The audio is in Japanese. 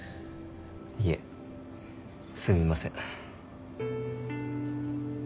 いえすみません。